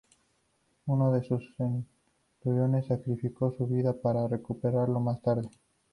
Uno de sus centuriones sacrificó su vida para recuperarlo más tarde.